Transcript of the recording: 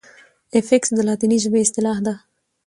افکس د لاتیني ژبي اصطلاح ده.